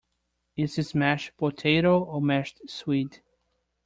Is this mashed potato or mashed swede?